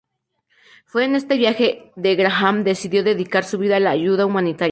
Fue en este viaje que Graham decidió dedicar su vida a la ayuda humanitaria.